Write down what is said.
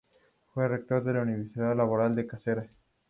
Fue rector de la Universidad Laboral de Cáceres.